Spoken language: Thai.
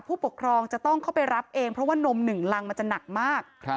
ผู้ปกครองจะต้องเข้าไปรับเองเพราะว่านม๑รังมันจะหนักมาก